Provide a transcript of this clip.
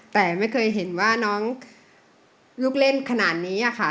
แต่ไม่เคยเห็นว่าน้องลูกเล่นขนาดนี้ค่ะ